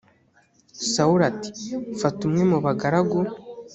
sawuli ati “fata umwe mu bagaragu”